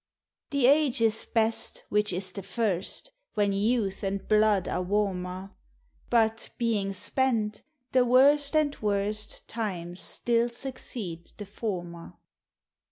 The age is best which is the first. When youth and blood are warmer; Iiut being spent, the worst and worst Times still succeed the former.